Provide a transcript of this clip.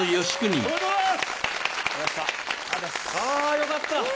あよかった。